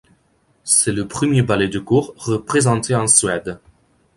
C'est le premier ballet de cour représenté en Suède.